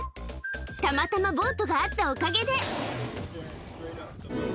たまたまボートがあったおかげで。